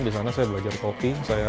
di sana saya belajar kopi